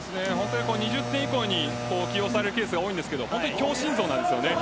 ２０点以降に起用されるケースが多いんですが本当に強心臓なんですよね。